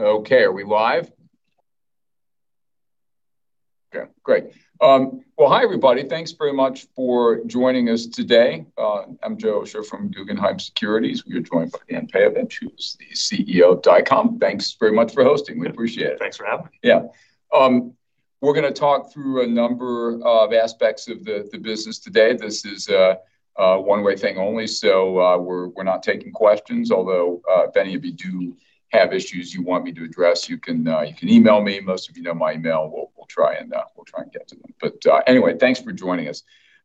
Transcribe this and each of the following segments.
Should flip it over. Okay, are we live? Okay, great. Hi everybody. Thanks very much for joining us today. I'm Joe Osha from Guggenheim Securities. We are joined by Dan Peyovich, and he is the CEO of Dycom. Thanks very much for hosting. We appreciate it. Thanks for having me. We're going to talk through a number of aspects of the business today. This is a one-way thing only, so we're not taking questions, although if any of you do have issues you want me to address, you can email me. Most of you know my email. We'll try and get to them. Thanks for joining us.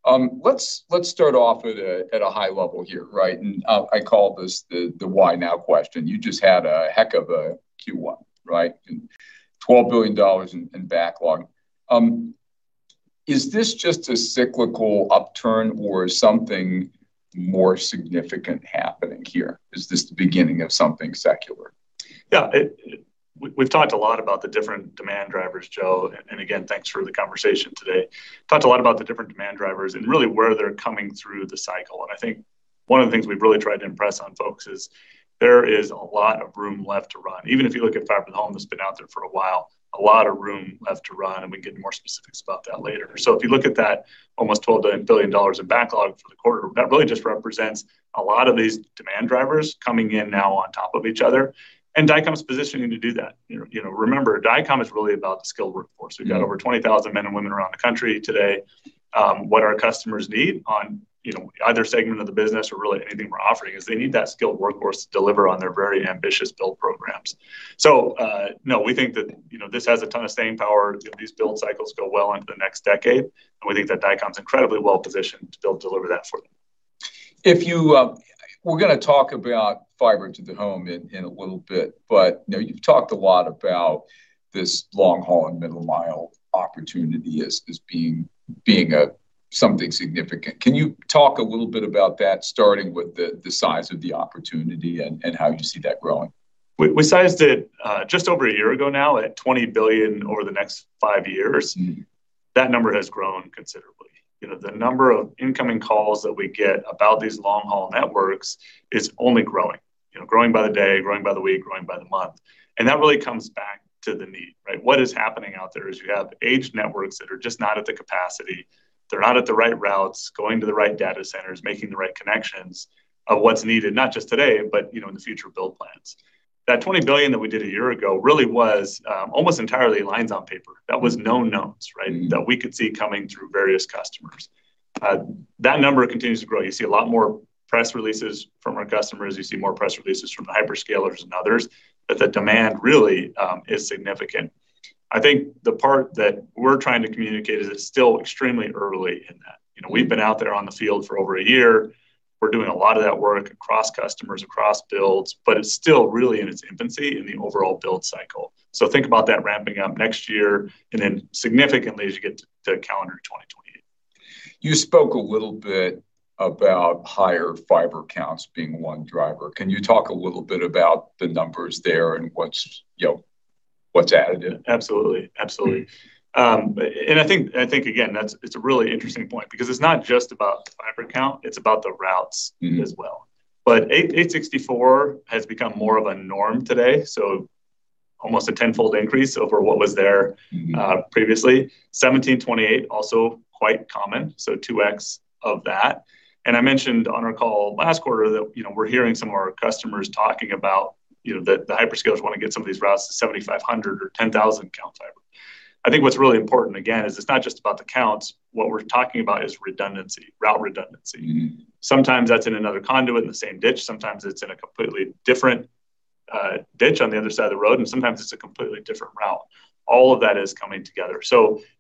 Let's start off at a high level here. I call this the why now question. You just had a heck of a Q1, right? $12 billion in backlog. Is this just a cyclical upturn or something more significant happening here? Is this the beginning of something secular? We've talked a lot about the different demand drivers, Joe, and again, thanks for the conversation today. Talked a lot about the different demand drivers and really where they're coming through the cycle, and I think one of the things we've really tried to impress on folks is there is a lot of room left to run. Even if you look at Fiber to the Home, that's been out there for a while, a lot of room left to run, and we can get more specifics about that later. If you look at that, almost $12 billion in backlog for the quarter, that really just represents a lot of these demand drivers coming in now on top of each other, and Dycom's positioning to do that. Remember, Dycom is really about the skilled workforce. We've got over 20,000 men and women around the country today. What our customers need on either segment of the business or really anything we're offering is they need that skilled workforce to deliver on their very ambitious build programs. No, we think that this has a ton of staying power. These build cycles go well into the next decade. We think that Dycom's incredibly well positioned to be able to deliver that for them. We're going to talk about Fiber to the Home in a little bit. You've talked a lot about this long-haul and middle mile opportunity as being something significant. Can you talk a little bit about that, starting with the size of the opportunity and how you see that growing? We sized it just over a year ago now at $20 billion over the next five years. That number has grown considerably. The number of incoming calls that we get about these long-haul networks is only growing. Growing by the day, growing by the week, growing by the month. That really comes back to the need, right? What is happening out there is you have aged networks that are just not at the capacity, they're not at the right routes, going to the right data centers, making the right connections of what's needed, not just today, but in the future build plans. That $20 billion that we did a year ago really was almost entirely lines on paper. That was known knowns, right? That we could see coming through various customers. That number continues to grow. You see a lot more press releases from our customers. You see more press releases from the hyperscalers and others, but the demand really is significant. I think the part that we're trying to communicate is it's still extremely early in that. We've been out there on the field for over a year. We're doing a lot of that work across customers, across builds, but it's still really in its infancy in the overall build cycle. Think about that ramping up next year, and then significantly as you get to calendar 2028. You spoke a little bit about higher fiber counts being one driver. Can you talk a little bit about the numbers there and what's added in? Absolutely. I think, again, it's a really interesting point because it's not just about the fiber count, it's about the routes as well. 864-fiber has become more of a norm today, so almost a tenfold increase over what was there previously. 1728-fiber also quite common, so 2X of that. I mentioned on our call last quarter that we're hearing some of our customers talking about that the hyperscalers want to get some of these routes to 7,500 or 10,000 count fiber. I think what's really important, again, is it's not just about the counts. What we're talking about is redundancy, route redundancy. Sometimes that's in another conduit in the same ditch, sometimes it's in a completely different ditch on the other side of the road, sometimes it's a completely different route. All of that is coming together.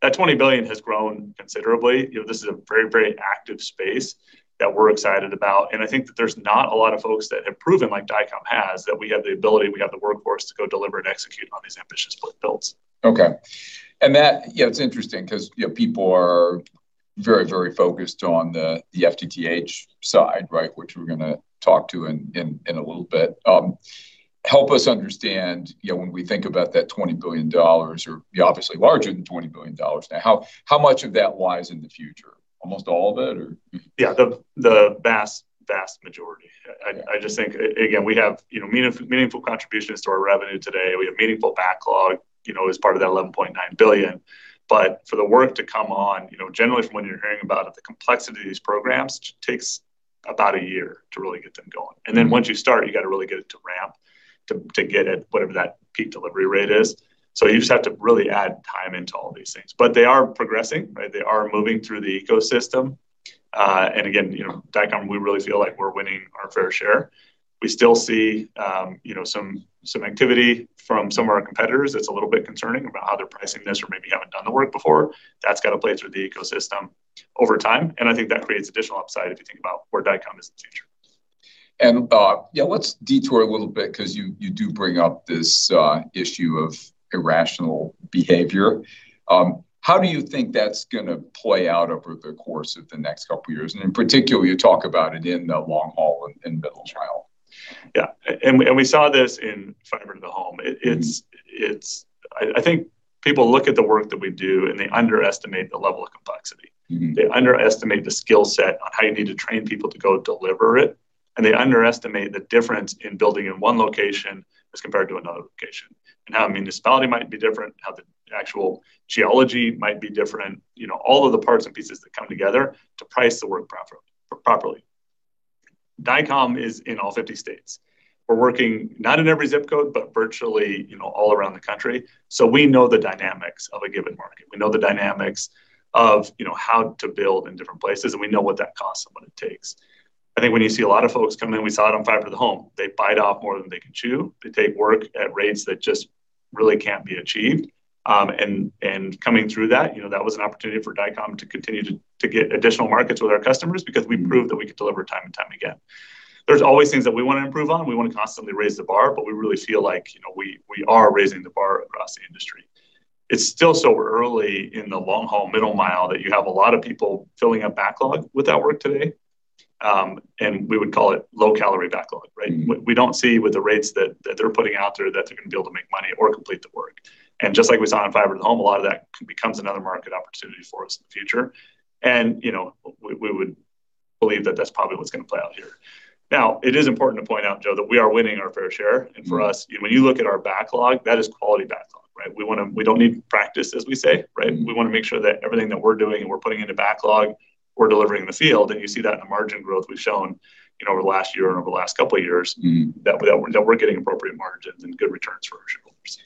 That $20 billion has grown considerably. This is a very, very active space that we're excited about, I think that there's not a lot of folks that have proven, like Dycom has, that we have the ability, we have the workforce to go deliver and execute on these ambitious builds. Okay. It's interesting because people are very, very focused on the FTTH side, right, which we're going to talk to in a little bit. Help us understand when we think about that $20 billion, or obviously larger than $20 billion now, how much of that lies in the future? Almost all of it, or? Mm-hmm. Yeah, the vast majority. Yeah. I just think, again, we have meaningful contributions to our revenue today. We have meaningful backlog as part of that $11.9 billion. For the work to come on, generally from when you're hearing about it, the complexity of these programs, just takes about a year to really get them going. Once you start, you got to really get it to ramp to get at whatever that peak delivery rate is. You just have to really add time into all these things. They are progressing, right? They are moving through the ecosystem. Again, Dycom, we really feel like we're winning our fair share. We still see some activity from some of our competitors that's a little bit concerning about how they're pricing this or maybe haven't done the work before. That's got to play through the ecosystem over time, and I think that creates additional upside if you think about where Dycom is in the future. Yeah, let's detour a little bit because you do bring up this issue of irrational behavior. How do you think that's going to play out over the course of the next couple of years? In particular, you talk about it in the long-haul and middle mile. Yeah. We saw this in Fiber to the Home. People look at the work that we do, and they underestimate the level of complexity. They underestimate the skill set on how you need to train people to go deliver it, and they underestimate the difference in building in one location as compared to another location, and how a municipality might be different, how the actual geology might be different. All of the parts and pieces that come together to price the work properly. Dycom is in all 50 states. We're working not in every zip code, but virtually all around the country. We know the dynamics of a given market. We know the dynamics of how to build in different places, and we know what that costs and what it takes. I think when you see a lot of folks come in, we saw it on Fiber to the Home. They bite off more than they can chew. They take work at rates that just really can't be achieved. Coming through that was an opportunity for Dycom to continue to get additional markets with our customers because we proved that we could deliver time and time again. There's always things that we want to improve on. We want to constantly raise the bar, but we really feel like we are raising the bar across the industry. It's still so early in the long-haul middle mile that you have a lot of people filling up backlog with that work today. We would call it low-calorie backlog, right? We don't see with the rates that they're putting out there that they're going to be able to make money or complete the work. Just like we saw on Fiber to the Home, a lot of that becomes another market opportunity for us in the future. We would believe that that's probably what's going to play out here. Now, it is important to point out, Joe, that we are winning our fair share. For us, when you look at our backlog, that is quality backlog, right? We don't need practice, as we say, right? We want to make sure that everything that we're doing and we're putting into backlog, we're delivering in the field. You see that in the margin growth we've shown over the last year and over the last couple of years. that we're getting appropriate margins and good returns for our shareholders.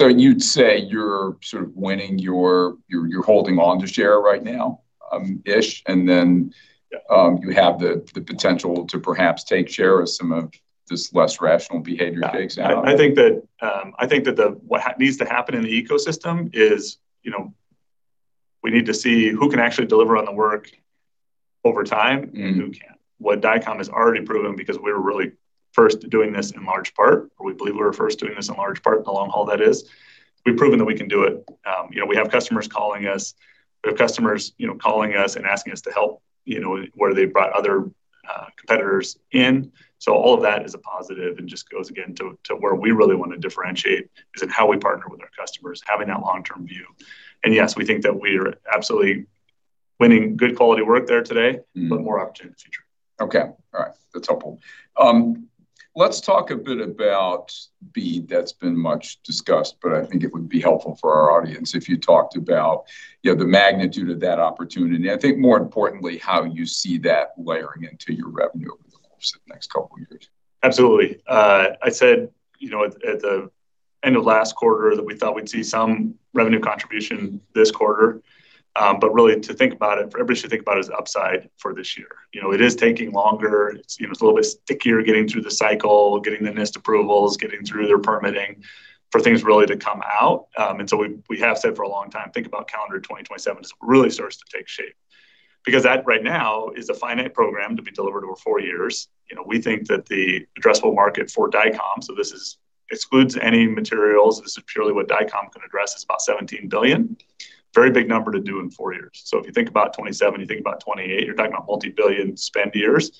You'd say you're sort of winning, you're holding onto share right now-ish, and then. Yeah you have the potential to perhaps take share as some of this less rational behavior digs out. I think that what needs to happen in the ecosystem is we need to see who can actually deliver on the work over time and who can't. What Dycom has already proven, because we were really first doing this in large part, or we believe we were first doing this in large part in the long-haul that is, we've proven that we can do it. We have customers calling us. We have customers calling us and asking us to help where they've brought other competitors in. All of that is a positive and just goes again to where we really want to differentiate is in how we partner with our customers, having that long-term view. Yes, we think that we're absolutely winning good quality work there today. More opportunity in the future. Okay. All right. That's helpful. Let's talk a bit about BEAD. That's been much discussed, but I think it would be helpful for our audience if you talked about the magnitude of that opportunity, and I think more importantly, how you see that layering into your revenue over the course of the next couple of years. Absolutely. I said at the end of last quarter that we thought we'd see some revenue contribution this quarter. Really to think about it, for everybody to think about is upside for this year. It is taking longer. It's a little bit stickier getting through the cycle, getting the NTIA approvals, getting through their permitting for things really to come out. We have said for a long time, think about calendar 2027 as it really starts to take shape. Because that right now is a finite program to be delivered over four years. We think that the addressable market for Dycom, so this excludes any materials, this is purely what Dycom can address, is about $17 billion. Very big number to do in four years. If you think about 2027, you think about 2028, you're talking about multi-billion spend years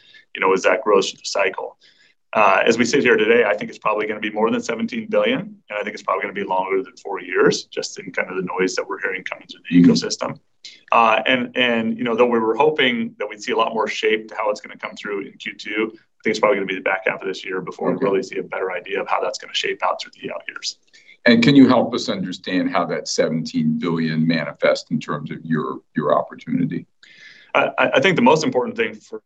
as that grows through the cycle. As we sit here today, I think it's probably going to be more than $17 billion, and I think it's probably going to be longer than four years, just in kind of the noise that we're hearing coming through the ecosystem. Though we were hoping that we'd see a lot more shape to how it's going to come through in Q2, I think it's probably going to be the back half of this year before. Okay. We really see a better idea of how that's going to shape out through the out years. Can you help us understand how that $17 billion manifests in terms of your opportunity? I think the most important thing for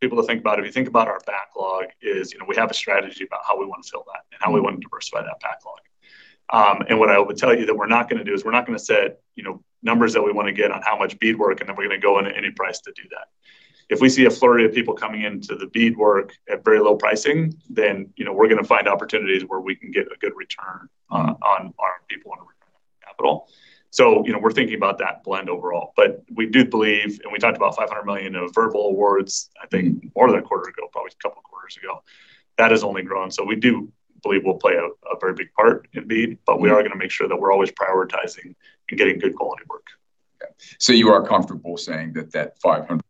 people to think about, if you think about our backlog, is we have a strategy about how we want to fill that and how we want to diversify that backlog. What I would tell you that we're not going to do is we're not going to set numbers that we want to get on how much BEAD work, we're going to go into any price to do that. If we see a flurry of people coming into the BEAD work at very low pricing, we're going to find opportunities where we can get a good return on our people and return on capital. We're thinking about that blend overall. We do believe, and we talked about $500 million of verbal awards, I think more than a quarter ago, probably a couple of quarters ago. That has only grown. We do believe we'll play a very big part in BEAD. We are going to make sure that we're always prioritizing and getting good quality work. Yeah. You are comfortable saying that that 500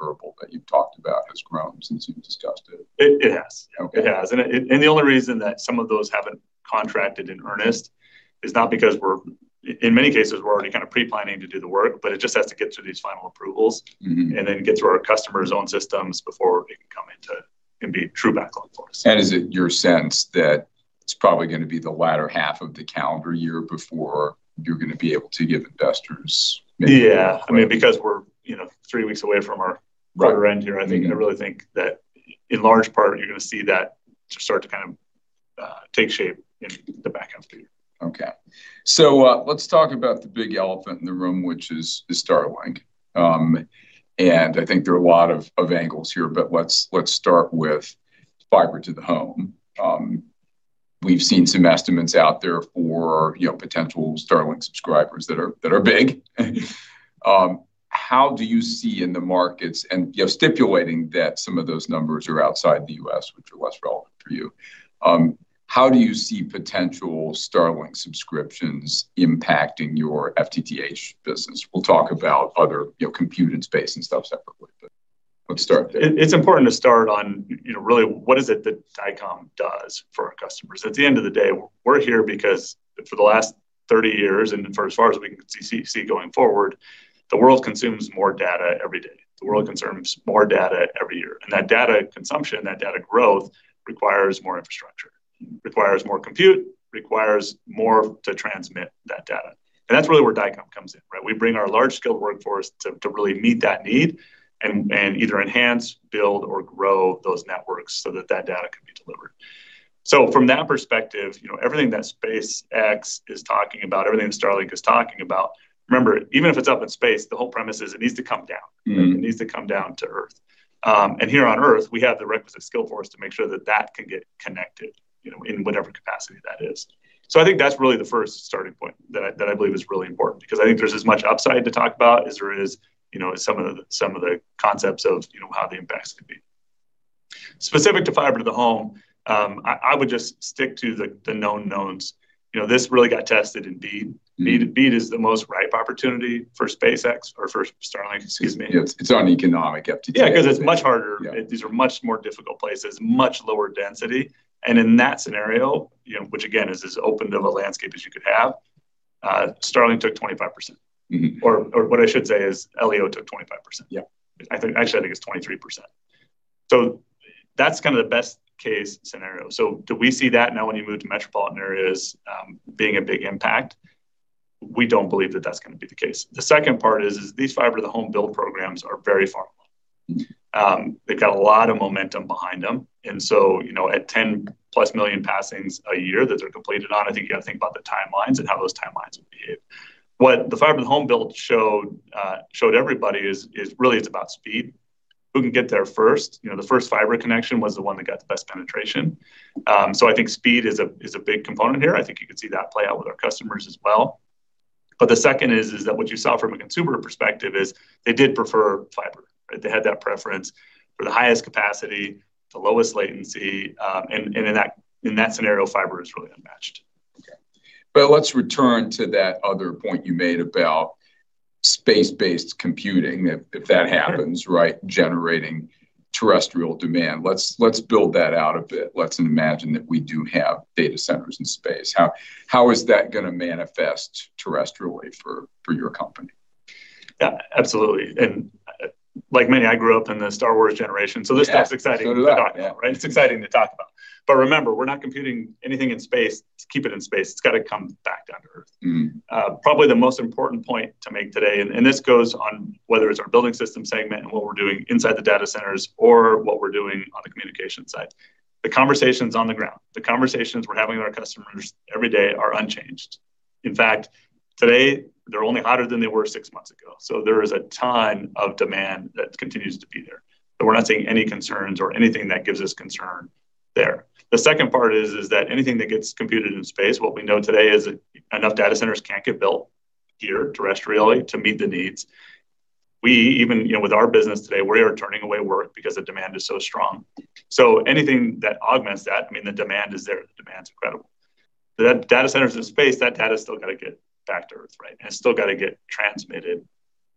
verbal that you've talked about has grown since you've discussed it? It has. Okay. It has. The only reason that some of those haven't contracted in earnest is not because we're, in many cases, we're already kind of pre-planning to do the work, but it just has to get through these final approvals. Get through our customers' own systems before we can come into and be true backlog for us. Is it your sense that it's probably going to be the latter half of the calendar year before you're going to be able to give investors maybe? Yeah. I mean, we're three weeks away. Right Quarter end here. I really think that in large part, you're going to see that just start to kind of take shape in the back half of the year. Okay. Let's talk about the big elephant in the room, which is Starlink. I think there are a lot of angles here, but let's start with Fiber to the Home. We've seen some estimates out there for potential Starlink subscribers that are big. How do you see in the markets, and stipulating that some of those numbers are outside the U.S., which are less relevant for you, how do you see potential Starlink subscriptions impacting your FTTH business? We'll talk about other compute and space and stuff separately. Let's start there. It's important to start on really what is it that Dycom does for our customers? At the end of the day, we're here because for the last 30 years, and for as far as we can see going forward, the world consumes more data every day. The world consumes more data every year. That data consumption, that data growth, requires more infrastructure, requires more compute, requires more to transmit that data. That's really where Dycom comes in, right? We bring our large skilled workforce to really meet that need and either enhance, build or grow those networks so that that data can be delivered. From that perspective, everything that SpaceX is talking about, everything that Starlink is talking about, remember, even if it's up in space, the whole premise is it needs to come down. It needs to come down to earth. Here on earth, we have the requisite skill force to make sure that that can get connected, in whatever capacity that is. I think that's really the first starting point that I believe is really important because I think there's as much upside to talk about as there is some of the concepts of how the impacts could be. Specific to Fiber to the Home, I would just stick to the known knowns. This really got tested in BEAD. BEAD is the most ripe opportunity for SpaceX or for Starlink, excuse me. Yeah. It's on economic uptake. Yeah, because it's much harder. Yeah. These are much more difficult places, much lower density. In that scenario, which again is as open of a landscape as you could have, Starlink took 25%. What I should say is LEO took 25%. Yeah. Actually, I think it's 23%. That's the best case scenario. Do we see that now when you move to metropolitan areas, being a big impact? We don't believe that that's going to be the case. The second part is these Fiber to the Home build programs are very far along. They've got a lot of momentum behind them. At 10+ million passings a year that they're completed on, I think you got to think about the timelines and how those timelines behave. What the Fiber to the Home build showed everybody is really it's about speed. Who can get there first? The first fiber connection was the one that got the best penetration. I think speed is a big component here. I think you could see that play out with our customers as well. The second is that what you saw from a consumer perspective is they did prefer fiber. They had that preference for the highest capacity, the lowest latency. In that scenario, fiber is really unmatched. Okay. Let's return to that other point you made about space-based computing. If that happens, right, generating terrestrial demand. Let's build that out a bit. Let's imagine that we do have data centers in space. How is that going to manifest terrestrially for your company? Yeah, absolutely. Like many, I grew up in the "Star Wars" generation, so this stuff's exciting to talk about. Yeah. Did I, yeah. Right? It's exciting to talk about. Remember, we're not computing anything in space to keep it in space. It's got to come back down to earth. Probably the most important point to make today, this goes on whether it's our Building Systems segment and what we're doing inside the data centers or what we're doing on the communication side. The conversations on the ground, the conversations we're having with our customers every day are unchanged. In fact, today they're only hotter than they were six months ago. There is a ton of demand that continues to be there. We're not seeing any concerns or anything that gives us concern there. The second part is that anything that gets computed in space, what we know today is enough data centers can't get built here terrestrially to meet the needs. We even, with our business today, we are turning away work because the demand is so strong. Anything that augments that, I mean, the demand is there. The demand's incredible. That data center's in space, that data's still got to get back to earth, right? It's still got to get transmitted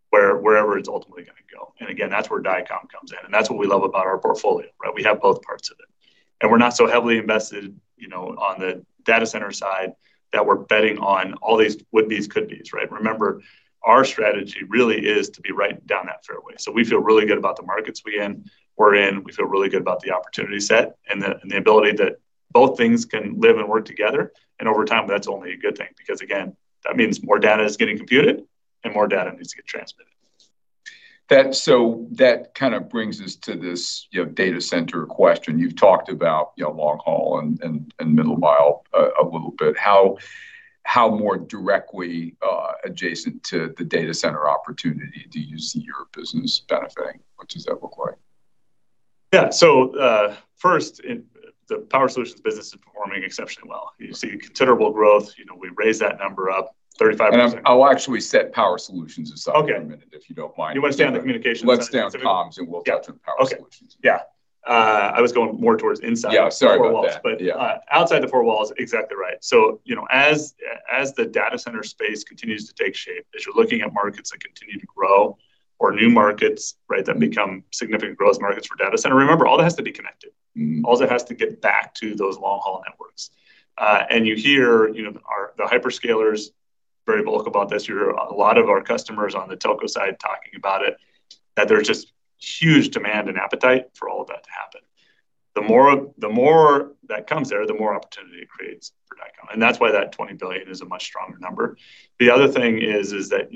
wherever it's ultimately going to go. Again, that's where Dycom comes in, and that's what we love about our portfolio, right? We have both parts of it. We're not so heavily invested on the data center side that we're betting on all these would-be could-be, right? Remember, our strategy really is to be right down that fairway. We feel really good about the markets we're in. We feel really good about the opportunity set and the ability that both things can live and work together. Over time, that's only a good thing. Again, that means more data is getting computed and more data needs to get transmitted. That kind of brings us to this data center question. You've talked about long-haul and middle-mile a little bit. How more directly adjacent to the data center opportunity do you see your business benefiting? What does that look like? Yeah. First, the Power Solutions business is performing exceptionally well. You see considerable growth. We raised that number up 35%. I'll actually set Power Solutions aside for a minute. Okay if you don't mind. You want to stay on the communication side? Let's stay on comms, and we'll get to the Power Solutions. Okay. Yeah. I was going more towards inside the four walls. Yeah, sorry about that. Yeah. Outside the four walls, exactly right. As the data center space continues to take shape, as you're looking at markets that continue to grow or new markets, right, that become significant growth markets for data center, remember, all that has to be connected. All that has to get back to those long-haul networks. You hear the hyperscalers very vocal about this. You hear a lot of our customers on the telco side talking about it, that there's just huge demand and appetite for all of that to happen. The more that comes there, the more opportunity it creates for Dycom. That's why that $20 billion is a much stronger number. The other thing is that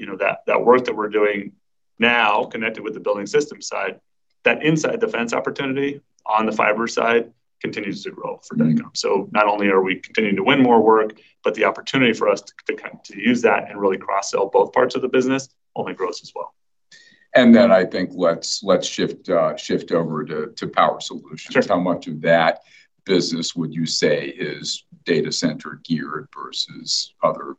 work that we're doing now connected with the Building Systems side, that inside the fence opportunity on the fiber side continues to grow for Dycom. Not only are we continuing to win more work, but the opportunity for us to use that and really cross-sell both parts of the business only grows as well. I think let's shift over to Power Solutions. Sure. How much of that business would you say is data center geared versus other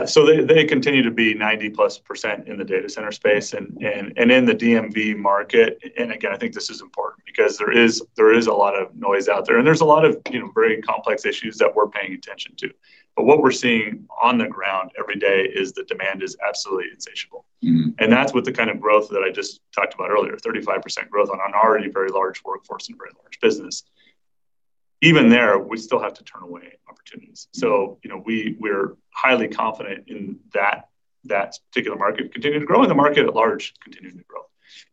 opportunity? They continue to be 90+ % in the data center space and in the DMV market. Again, I think this is important because there is a lot of noise out there, and there's a lot of very complex issues that we're paying attention to. What we're seeing on the ground every day is the demand is absolutely insatiable. That's with the kind of growth that I just talked about earlier, 35% growth on an already very large workforce and a very large business. Even there, we still have to turn away opportunities. We're highly confident in that particular market continuing to grow and the market at large continuing to grow.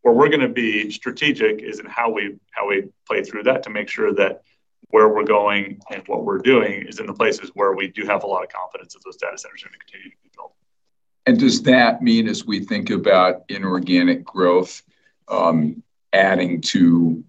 Where we're going to be strategic is in how we play through that to make sure that where we're going and what we're doing is in the places where we do have a lot of confidence that those data centers are going to continue to be built. Does that mean as we think about inorganic growth, adding to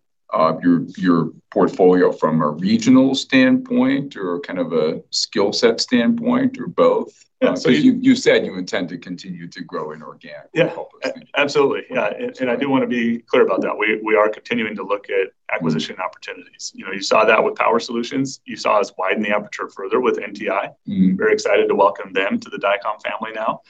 your portfolio from a regional standpoint or kind of a skill set standpoint, or both? Yeah. You said you intend to continue to grow inorganic. Help us. Yeah. Absolutely. Yeah. Yeah. I do want to be clear about that. We are continuing to look at acquisition opportunities. You saw that with Power Solutions. You saw us widen the aperture further with NTI. Very excited to welcome them to the Dycom family now.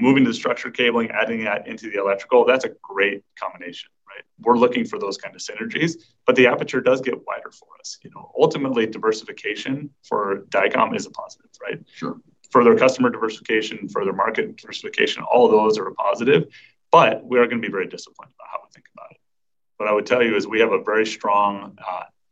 Moving to structured cabling, adding that into the electrical, that's a great combination, right? We're looking for those kind of synergies. The aperture does get wider for us. Ultimately, diversification for Dycom is a positive, right? Sure. Further customer diversification, further market diversification, all of those are a positive. We are going to be very disciplined about how we think about it. What I would tell you is we have a very strong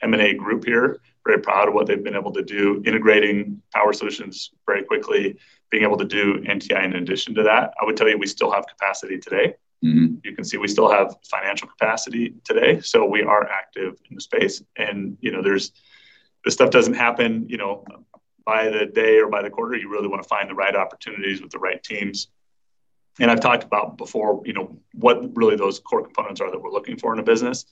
M&A group here, very proud of what they've been able to do, integrating Power Solutions very quickly, being able to do NTI in addition to that. I would tell you we still have capacity today. You can see we still have financial capacity today. We are active in the space. This stuff doesn't happen by the day or by the quarter. You really want to find the right opportunities with the right teams. I've talked about before, what really those core components are that we're looking for in a business.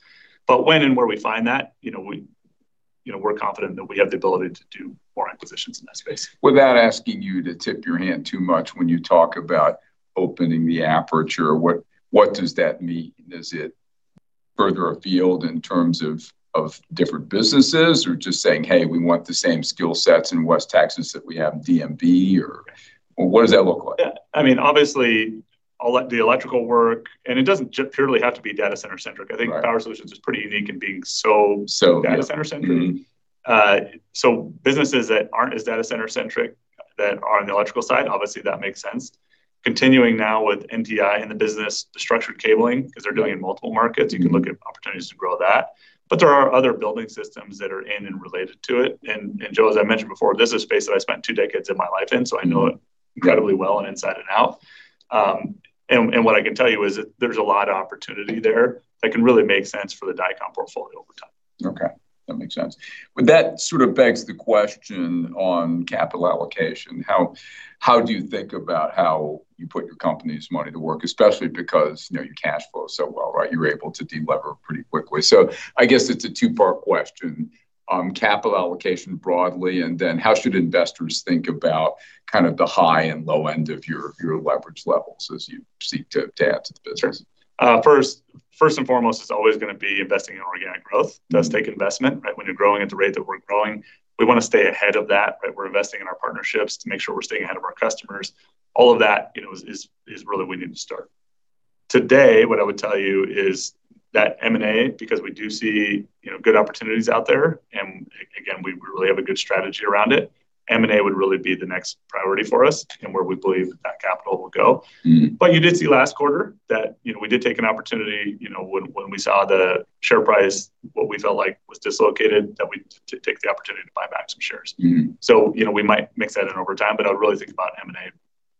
When and where we find that, we're confident that we have the ability to do more acquisitions in that space. Without asking you to tip your hand too much when you talk about opening the aperture, what does that mean? Is it further afield in terms of different businesses or just saying, "Hey, we want the same skill sets in West Texas that we have in DMV," or what does that look like? Yeah. Obviously, the electrical work, it doesn't purely have to be data center centric. Right. I think Power Solutions is pretty unique in being so- So- Data center centric. Businesses that aren't as data center centric that are on the electrical side, obviously that makes sense. Continuing now with NTI in the business, the structured cabling, because they're- Yeah doing multiple markets. You can look at opportunities to grow that. There are other Building Systems that are in and related to it. Joe, as I mentioned before, this is a space that I spent 2 decades of my life in, so I know it. Incredibly well and inside and out. What I can tell you is that there's a lot of opportunity there that can really make sense for the Dycom portfolio over time. Okay. That makes sense. That sort of begs the question on capital allocation. How do you think about how you put your company's money to work, especially because your cash flow is so well, right? You're able to de-lever pretty quickly. I guess it's a two-part question. On capital allocation broadly, and then how should investors think about kind of the high and low end of your leverage levels as you seek to add to the business? Sure. First and foremost, it's always going to be investing in organic growth. Does take investment, right? When you're growing at the rate that we're growing, we want to stay ahead of that, right? We're investing in our partnerships to make sure we're staying ahead of our customers. All of that is really where we need to start. Today, what I would tell you is that M&A, because we do see good opportunities out there, and again, we really have a good strategy around it, M&A would really be the next priority for us and where we believe that capital will go. You did see last quarter that we did take an opportunity when we saw the share price, what we felt like was dislocated, that we took the opportunity to buy back some shares. We might mix that in over time, but I would really think about M&A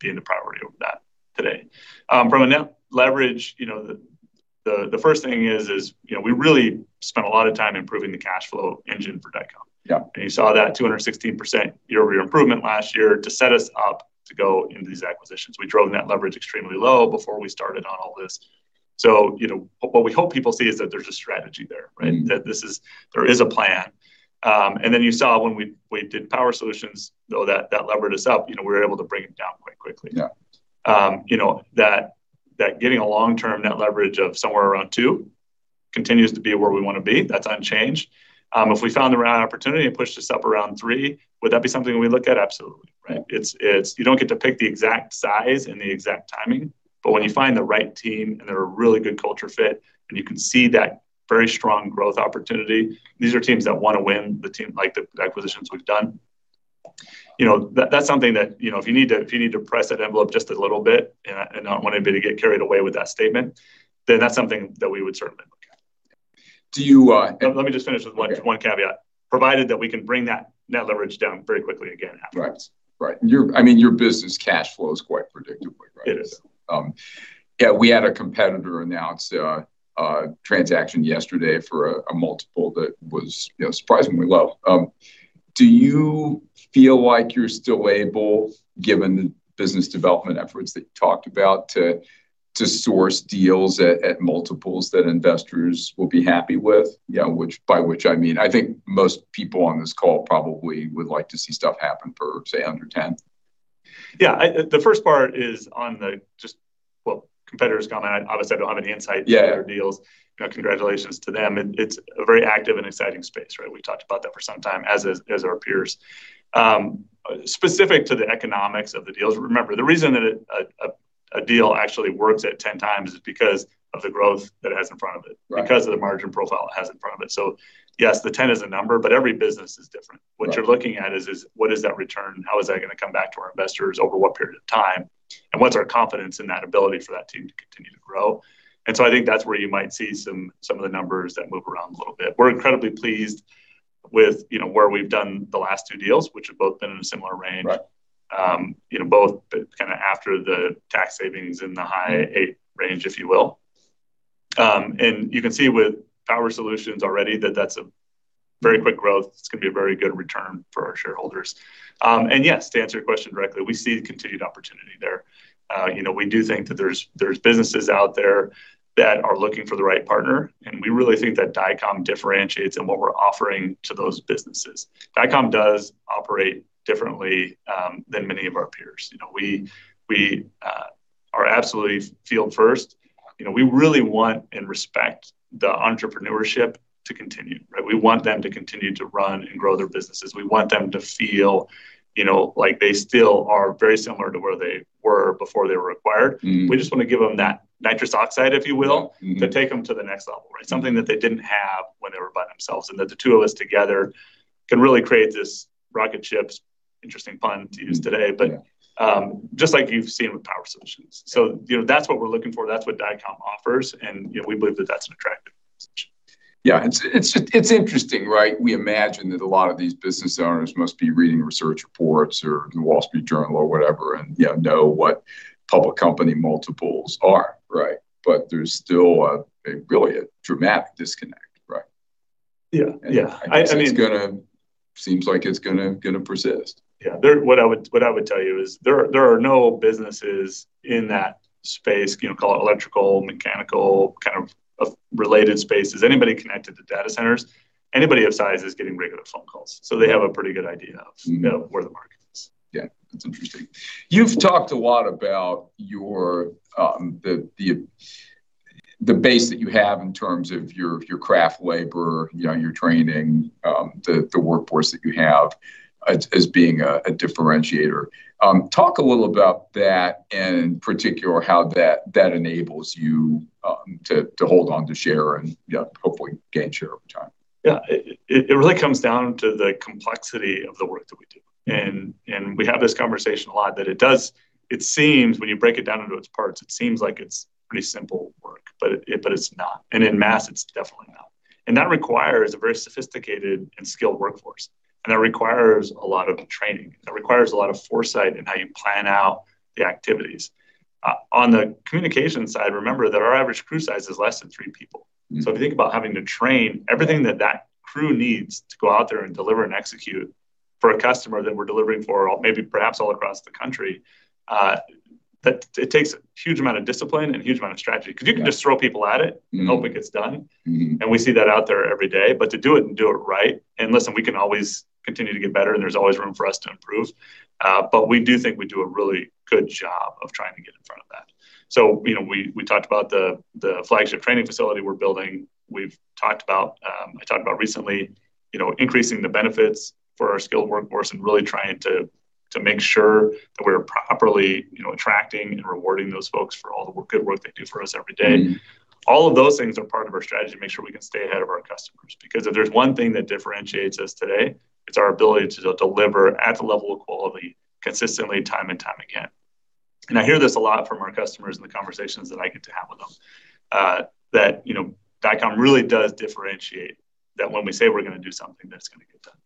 being the priority over that today. From a net leverage, the first thing is we really spent a lot of time improving the cash flow engine for Dycom. Yeah. You saw that 216% year-over-year improvement last year to set us up to go into these acquisitions. We drove net leverage extremely low before we started on all this. What we hope people see is that there's a strategy there, right? There is a plan. You saw when we did Power Solutions, though that levered us up, we were able to bring it down quite quickly. Yeah. Getting a long-term net leverage of somewhere around two continues to be where we want to be. That's unchanged. If we found the right opportunity and pushed us up around three, would that be something we'd look at? Absolutely. Right? You don't get to pick the exact size and the exact timing, but when you find the right team and they're a really good culture fit and you can see that very strong growth opportunity. These are teams that want to win, like the acquisitions we've done. That's something that if you need to press that envelope just a little bit, and I don't want anybody to get carried away with that statement, then that's something that we would certainly look at. Do you- Let me just finish with one caveat. Okay. Provided that we can bring that net leverage down very quickly again afterwards. Right. Your business cash flow is quite predictable, right? It is. Yeah. We had a competitor announce a transaction yesterday for a multiple that was surprisingly low. Do you feel like you're still able, given the business development efforts that you talked about, to source deals at multiples that investors will be happy with? By which I mean, I think most people on this call probably would like to see stuff happen for, say, under 10. Yeah. The first part is on the just, well, competitor's gone out. Obviously, I don't have any insight- Yeah to their deals. Congratulations to them. It's a very active and exciting space, right? We've talked about that for some time, as our peers. Specific to the economics of the deals, remember, the reason that a deal actually works at 10x is because of the growth that it has in front of it. Right. Because of the margin profile it has in front of it. Yes, the 10 is a number, but every business is different. Right. What you're looking at is what is that return? How is that going to come back to our investors, over what period of time? What's our confidence in that ability for that team to continue to grow? I think that's where you might see some of the numbers that move around a little bit. We're incredibly pleased with where we've done the last two deals, which have both been in a similar range. Right Both kind of after the tax savings in the high eight range, if you will. You can see with Power Solutions already that that's a very quick growth. It's going to be a very good return for our shareholders. Yes, to answer your question directly, we see continued opportunity there. We do think that there's businesses out there that are looking for the right partner, and we really think that Dycom differentiates in what we're offering to those businesses. Dycom does operate differently than many of our peers. We are absolutely field first. We really want and respect the entrepreneurship to continue, right? We want them to continue to run and grow their businesses. We want them to feel like they still are very similar to where they were before they were acquired. We just want to give them that nitrous oxide, if you will. We want to take them to the next level, right? Something that they didn't have when they were by themselves, and that the two of us together can really create this rocket ship. Interesting pun to use today. Yeah just like you've seen with Power Solutions. That's what we're looking for, that's what Dycom offers, and we believe that that's an attractive position. Yeah. It's interesting, right? We imagine that a lot of these business owners must be reading research reports or "The Wall Street Journal" or whatever and know what public company multiples are, right? There's still really a dramatic disconnect, right? Yeah. I guess it seems like it's going to persist. Yeah. What I would tell you is, there are no businesses in that space, call it electrical, mechanical kind of related spaces, anybody connected to data centers, anybody of size is getting regular phone calls. They have a pretty good idea of where the market is. Yeah. That's interesting. You've talked a lot about the base that you have in terms of your craft labor, your training, the workforce that you have as being a differentiator. Talk a little about that, and in particular, how that enables you to hold onto share and hopefully gain share over time. Yeah. It really comes down to the complexity of the work that we do. We have this conversation a lot, that it does, it seems when you break it down into its parts, it seems like it's pretty simple work. It's not. En masse, it's definitely not. That requires a very sophisticated and skilled workforce, and it requires a lot of training, and it requires a lot of foresight in how you plan out the activities. On the communication side, remember that our average crew size is less than three people. If you think about having to train everything that that crew needs to go out there and deliver and execute for a customer that we're delivering for, maybe perhaps all across the country, it takes a huge amount of discipline and a huge amount of strategy. Yeah. You can just throw people at it. Hope it gets done. We see that out there every day. To do it and do it right, listen, we can always continue to get better, and there's always room for us to improve, but we do think we do a really good job of trying to get in front of that. We talked about the flagship training facility we're building. I talked about recently increasing the benefits for our skilled workforce and really trying to make sure that we're properly attracting and rewarding those folks for all the good work they do for us every day. All of those things are part of our strategy to make sure we can stay ahead of our customers. If there's one thing that differentiates us today, it's our ability to deliver at the level of quality consistently time and time again. I hear this a lot from our customers in the conversations that I get to have with them, that Dycom really does differentiate, that when we say we're going to do something, that it's going to get done.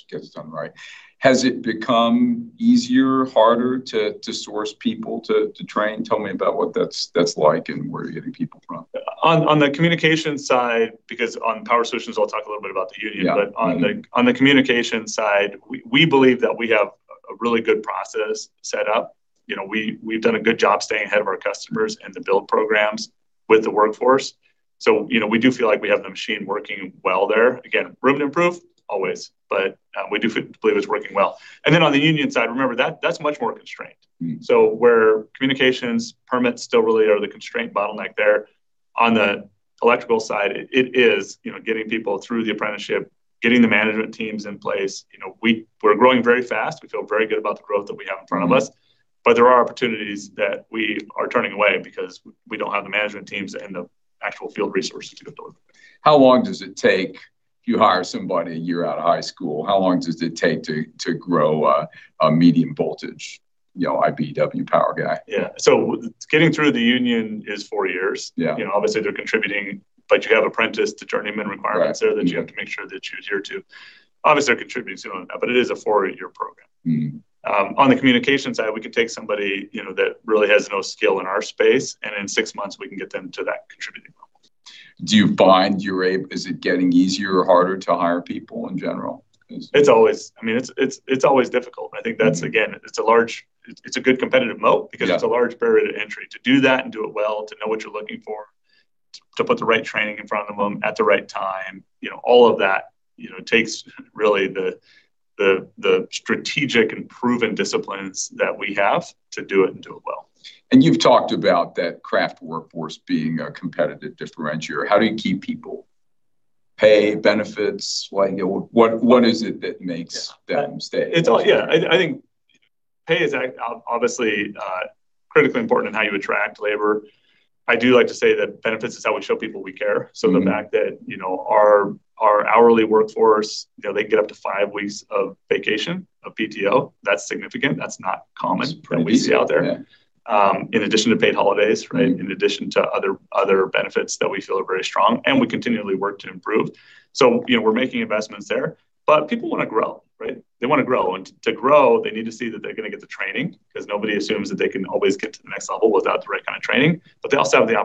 It gets done right. Has it become easier, harder to source people to train? Tell me about what that's like and where you're getting people from. On the communication side, because on Power Solutions, I'll talk a little bit about the union. Yeah. Mm-hmm. On the communications side, we believe that we have a really good process set up. We've done a good job staying ahead of our customers and the build programs with the workforce. We do feel like we have the machine working well there. Again, room to improve? Always. We do believe it's working well. On the union side, remember that that's much more constrained. Where communications permits still really are the constraint bottleneck there. On the electrical side, it is getting people through the apprenticeship, getting the management teams in place. We're growing very fast. We feel very good about the growth that we have in front of us. There are opportunities that we are turning away because we don't have the management teams and the actual field resources to go build. How long does it take if you hire somebody a year out of high school? How long does it take to grow a medium voltage IBEW power guy? Yeah. Getting through the union is four years. Yeah. Obviously, they're contributing, but you have apprentice to journeyman requirements there. Right. Mm-hmm. That you have to make sure that you adhere to. Obviously, they're contributing sooner than that, but it is a four-year program. On the communication side, we can take somebody that really has no skill in our space, and in six months we can get them to that contributing role. Do you find you're able, is it getting easier or harder to hire people in general? It's always difficult. I think that's, again, it's a good competitive moat. Yeah It's a large barrier to entry. To do that and do it well, to know what you're looking for, to put the right training in front of them at the right time, all of that takes really the strategic and proven disciplines that we have to do it and do it well. You've talked about that craft workforce being a competitive differentiator. How do you keep people? Pay, benefits? What is it that makes them stay? Yeah. I think pay is obviously critically important in how you attract labor. I do like to say that benefits is how we show people we care. The fact that our hourly workforce, they can get up to five weeks of vacation, of PTO, that's significant. That's not common- It's pretty decent. Yeah that we see out there. In addition to paid holidays, right? In addition to other benefits that we feel are very strong, we continually work to improve. We're making investments there. People want to grow, right? They want to grow. To grow, they need to see that they're going to get the training, because nobody assumes that they can always get to the next level without the right kind of training. They also have the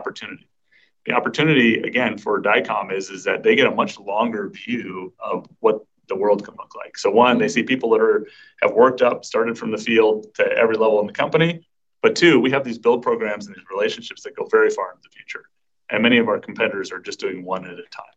opportunity, again, for Dycom is that they get a much longer view of what the world can look like. One, they see people that have worked up, started from the field to every level in the company. Two, we have these build programs and these relationships that go very far into the future, and many of our competitors are just doing one at a time.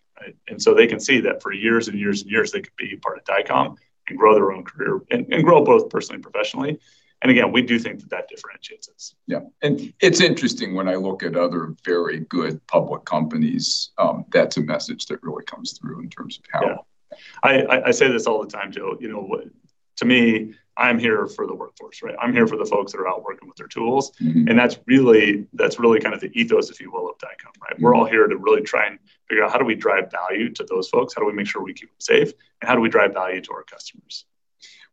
Right? They can see that for years and years and years, they could be a part of Dycom and grow their own career, and grow both personally and professionally. Again, we do think that that differentiates us. Yeah. It's interesting when I look at other very good public companies, that's a message that really comes through in terms of power. Yeah. I say this all the time, Joe. To me, I'm here for the workforce, right? I'm here for the folks that are out working with their tools. That's really kind of the ethos, if you will, of Dycom. Right? We're all here to really try and figure out how do we drive value to those folks, how do we make sure we keep them safe, and how do we drive value to our customers?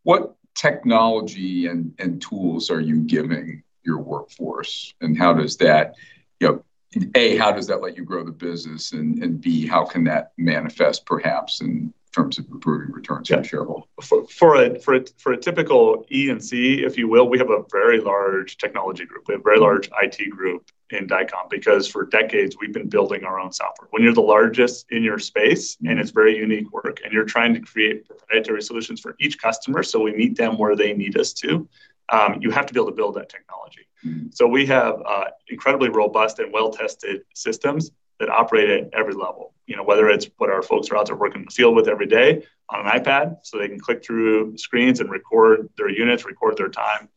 What technology and tools are you giving your workforce, and how does that, A, how does that let you grow the business, and, B, how can that manifest perhaps in terms of improving returns for shareholders? Yeah. For a typical E&C, if you will, we have a very large technology group. We have a very large IT group in Dycom because for decades we've been building our own software. When you're the largest in your space and it's very unique work and you're trying to create proprietary solutions for each customer so we meet them where they need us to, you have to be able to build that technology. We have incredibly robust and well-tested systems that operate at every level. Whether it's what our folks are out there working in the field with every day on an iPad, so they can click through screens and record their units, record their time,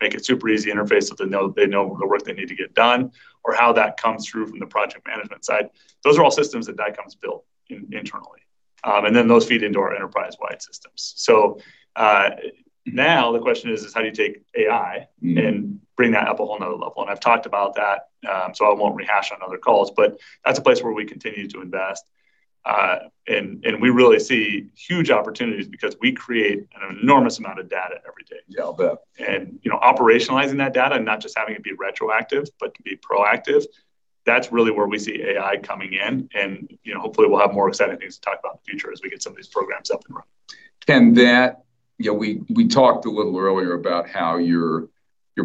make a super easy interface so they know the work they need to get done, or how that comes through from the project management side. Those are all systems that Dycom's built in internally. Those feed into our enterprise-wide systems. Now the question is how do you take AI bring that up a whole other level? I've talked about that, so I won't rehash on other calls, but that's a place where we continue to invest. We really see huge opportunities because we create an enormous amount of data every day. Yeah, I'll bet. Operationalizing that data and not just having it be retroactive, but to be proactive, that's really where we see AI coming in, and hopefully we'll have more exciting things to talk about in the future as we get some of these programs up and running. We talked a little earlier about how you're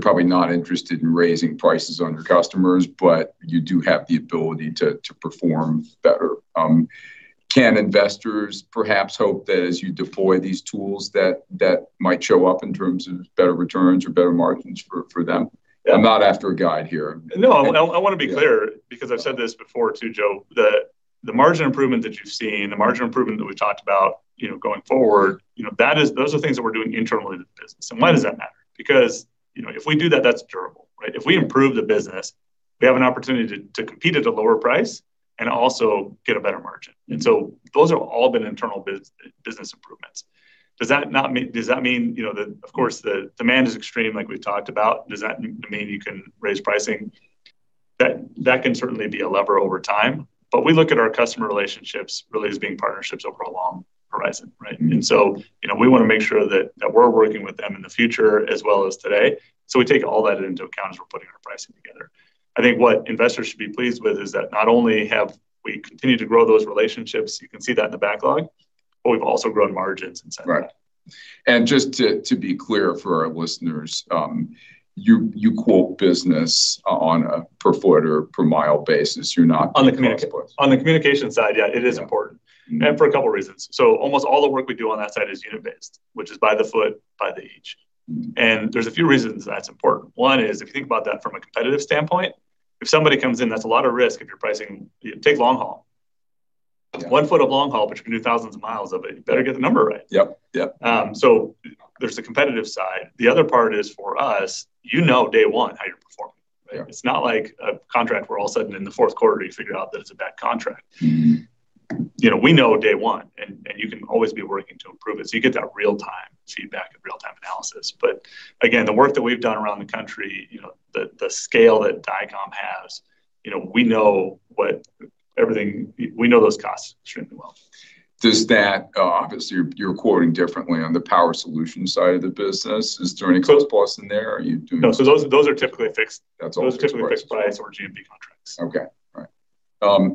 probably not interested in raising prices on your customers, but you do have the ability to perform better. Can investors perhaps hope that as you deploy these tools that that might show up in terms of better returns or better margins for them? Yeah. I'm not after a guide here. No, I want to be clear, because I've said this before too, Joe, the margin improvement that you've seen, the margin improvement that we talked about going forward, those are things that we're doing internally to the business. Why does that matter? Because if we do that's durable. Right? If we improve the business, we have an opportunity to compete at a lower price and also get a better margin. Those have all been internal business improvements. Does that mean that, of course, the demand is extreme like we've talked about, does that mean you can raise pricing? That can certainly be a lever over time, but we look at our customer relationships really as being partnerships over a long horizon, right? We want to make sure that we're working with them in the future as well as today, so we take all that into account as we're putting our pricing together. I think what investors should be pleased with is that not only have we continued to grow those relationships, you can see that in the backlog, but we've also grown margins inside of that. Right. Just to be clear for our listeners, you quote business on a per foot or per mile basis. You're not- On the communication side, yeah, it is important. Yeah. Mm-hmm. For a couple of reasons. Almost all the work we do on that side is unit-based, which is by the foot, by the each. There's a few reasons that's important. One is, if you think about that from a competitive standpoint, if somebody comes in, that's a lot of risk if you're pricing Take long-haul. Yeah. One foot of long-haul, but you can do thousands of miles of it, you better get the number right. Yep. There's the competitive side. The other part is for us, you know day one how you're performing. Yeah. It's not like a contract where all of a sudden in the fourth quarter you figured out that it's a bad contract. We know day one, and you can always be working to improve it, so you get that real-time feedback and real-time analysis. Again, the work that we've done around the country, the scale that Dycom has, we know those costs extremely well. Does that, obviously, you're quoting differently on the Power Solutions side of the business. Is there any close price in there? No, those are typically. That's all fixed price. Those are typically fixed price or GMP contracts. Okay. All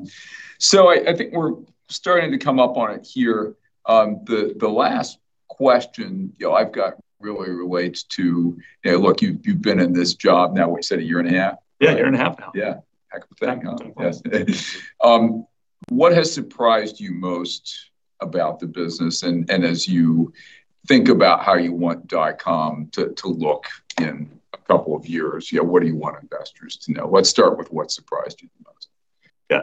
right. I think we're starting to come up on it here. The last question, Dan, I've got really relates to, look, you've been in this job now what's that, a year and a half? Yeah, a year and a half now. Yeah. Heck of a thing, huh? Heck of a time, yes. What has surprised you most about the business? As you think about how you want Dycom to look in a couple of years, what do you want investors to know? Let's start with what surprised you the most. Yeah.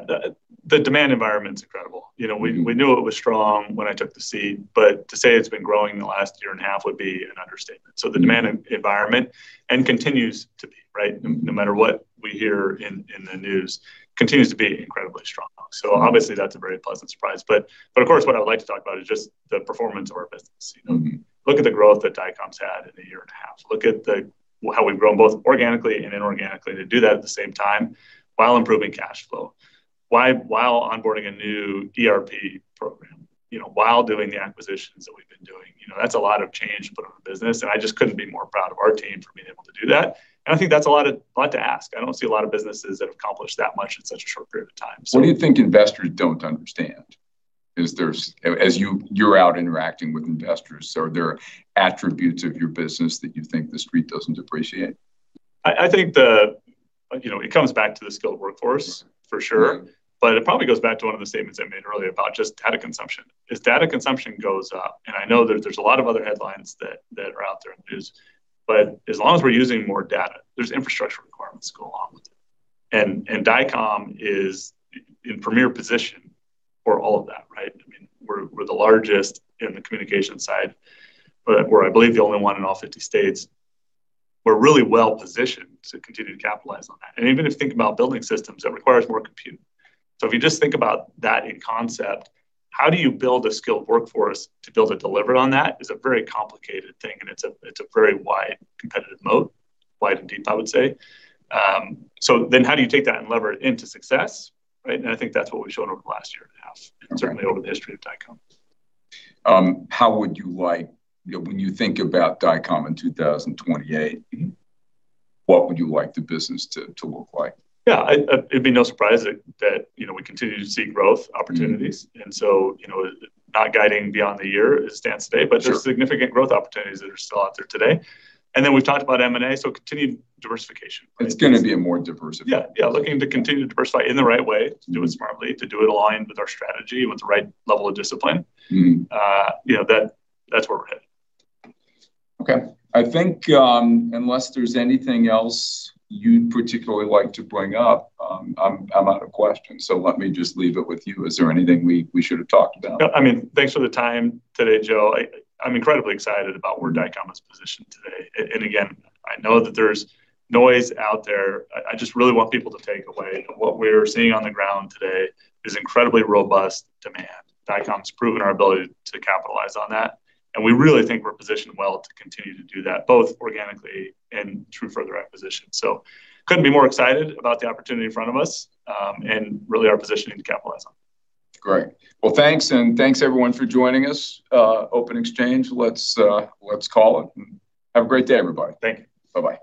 The demand environment's incredible. We knew it was strong when I took the seat, to say it's been growing in the last year and a half would be an understatement. The demand environment, and continues to be, right? No matter what we hear in the news, it continues to be incredibly strong. Obviously that's a very pleasant surprise. Of course, what I would like to talk about is just the performance of our business. Look at the growth that Dycom's had in a year and a half. Look at how we've grown both organically and inorganically, to do that at the same time while improving cash flow, while onboarding a new DRP program, while doing the acquisitions that we've been doing. That's a lot of change to put on a business, I just couldn't be more proud of our team for being able to do that. I think that's a lot to ask. I don't see a lot of businesses that have accomplished that much in such a short period of time. What do you think investors don't understand? As you're out interacting with investors, are there attributes of your business that you think the Street doesn't appreciate? I think it comes back to the skilled workforce. Right For sure. Yeah. It probably goes back to one of the statements I made earlier about just data consumption. As data consumption goes up, and I know that there's a lot of other headlines that are out there in the news, but as long as we're using more data, there's infrastructure requirements that go along with it. Dycom is in premier position for all of that, right? We're the largest in the communication side, but we're, I believe, the only one in all 50 states. We're really well-positioned to continue to capitalize on that. Even if you think about Building Systems, that requires more compute. If you just think about that in concept, how do you build a skilled workforce to build and deliver on that is a very complicated thing, and it's a very wide competitive moat. Wide and deep, I would say. How do you take that and lever it into success, right? I think that's what we've shown over the last year and a half- Okay Certainly over the history of Dycom. How would you like, when you think about Dycom in 2028, what would you like the business to look like? Yeah. It'd be no surprise that we continue to see growth opportunities. Not guiding beyond the year as it stands today. Sure There's significant growth opportunities that are still out there today. We've talked about M&A, so continued diversification. It's going to be a more diversified. Looking to continue to diversify in the right way, to do it smartly, to do it aligned with our strategy, with the right level of discipline. That's where we're headed. I think, unless there's anything else you'd particularly like to bring up, I'm out of questions. Let me just leave it with you. Is there anything we should've talked about? Thanks for the time today, Joe. I'm incredibly excited about where Dycom is positioned today. Again, I know that there's noise out there. I just really want people to take away what we're seeing on the ground today is incredibly robust demand. Dycom's proven our ability to capitalize on that, and we really think we're positioned well to continue to do that, both organically and through further acquisitions. Couldn't be more excited about the opportunity in front of us, and really our positioning to capitalize on it. Great. Well, thanks, and thanks, everyone, for joining us. Open exchange, let's call it. Have a great day, everybody. Thank you. Bye-bye.